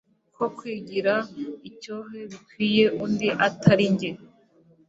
ko kwigira icyohe bikwiye undi utari jye